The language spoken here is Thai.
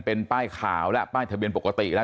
เป็นป้ายขาวแล้วป้ายทะเบียนปกติแล้ว